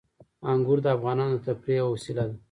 انګور د افغانانو د تفریح یوه وسیله ده.